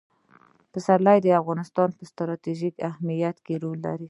پسرلی د افغانستان په ستراتیژیک اهمیت کې رول لري.